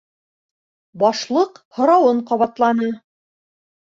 Башлыҡ һорауын ҡабатланы: